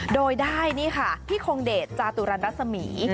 โดยได้นี่ค่ะพี่คงเดชจาตุรันรัศมี